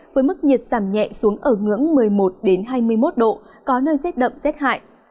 với mức nhiệt giảm nhẹ xuống ở ngưỡng một mươi một hai mươi một độ có nơi rét đậm rét hại